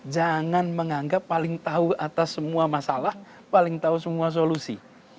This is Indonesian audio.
jangan menganggap paling tahu atas semua masalah paling tahu semua solusi